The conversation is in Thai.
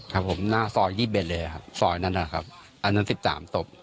ครับผมหน้าซอย๒๑เลยครับซอยนั้นนะครับอันนั้น๑๓ศพ